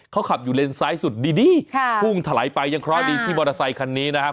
เขาขับอยู่เลนซ้ายสุดดีค่ะพุ่งถลายไปยังเคราะห์ดีที่มอเตอร์ไซคันนี้นะครับ